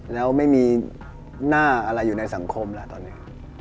แล้วไม่มีหน้าอะไรอยู่ในสังคมล่ะตอนนี้